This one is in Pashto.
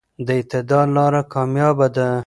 د اعتدال لاره کاميابه ده.